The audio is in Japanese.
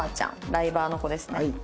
ライバーの子ですね。